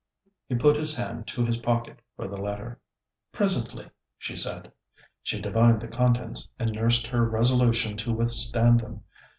He put his hand to his pocket for the letter. 'Presently,' she said. She divined the contents, and nursed her resolution to withstand them.